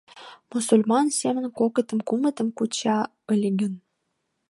Мусульман семын кокытым-кумытым куча ыле гын?..